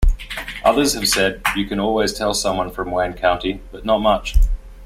Others have said, You can always tell someone from Wayne County, but not much.